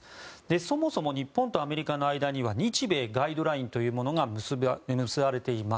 そもそも日本とアメリカの間には日米ガイドラインというものが結ばれています。